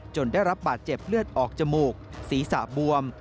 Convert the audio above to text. ได้รับบาดเจ็บเลือดออกจมูกศีรษะบวม